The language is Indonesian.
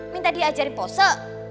minta dia ajarin pose